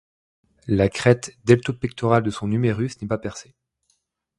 La crête delto-pectorale de son humérus n'est pas percée.